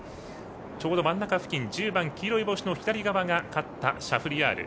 ちょうど真ん中付近１０番黄色い帽子の左側が勝った、シャフリヤール。